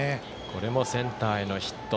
これもセンターへのヒット。